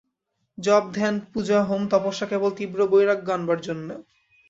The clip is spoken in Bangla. জপ, ধ্যান, পূজা, হোম, তপস্যা কেবল তীব্র বৈরাগ্য আনবার জন্য।